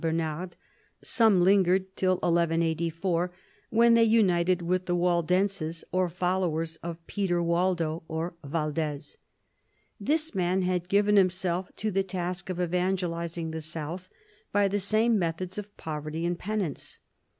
Bernard, some lingered till 1184, when they united with the Waldenses or followers of Peter Waldo (or Valdez). This man had given himself to the task of evangelising the south by the same methods of poverty and penance.